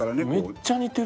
めっちゃ似てるじゃん。